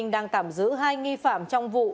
đang tạm giữ hai nghi phạm trong vụ